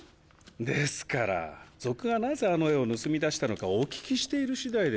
ですから賊がなぜあの絵を盗み出したのかお聞きしている次第で。